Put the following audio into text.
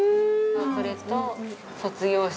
それと卒業式。